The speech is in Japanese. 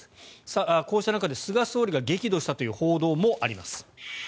こうした中で菅総理が激怒したという報道もあります。